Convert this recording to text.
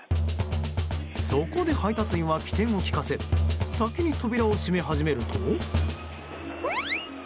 そこで配達員は機転を利かせ先に扉を閉め始めると。